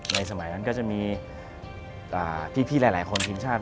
สมัยนั้นก็จะมีพี่หลายคนทีมชาติ